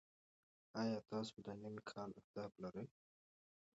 ایا تاسو د نوي کال لپاره اهداف لرئ؟